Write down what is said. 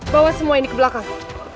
bawa semua ini ke belakang